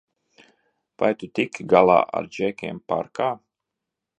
Vai tu tiki galā ar džekiem parkā?